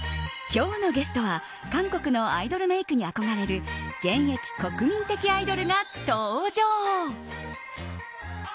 今日のゲストは韓国のアイドルメイクに憧れる現役国民的アイドルが登場。